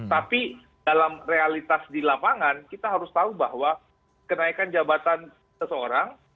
tapi dalam realitas di lapangan kita harus tahu bahwa kenaikan jabatan seseorang